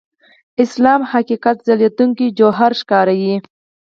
اسلام حقیقت ځلېدونکي جوهر ښکاري.